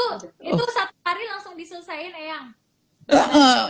itu saat hari langsung diselesain eyang